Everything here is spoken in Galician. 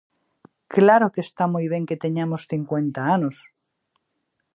Claro que está moi ben que teñamos cincuenta anos.